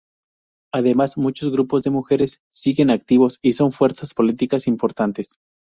Además, muchos grupos de mujeres siguen activos y son fuerzas políticas importantes.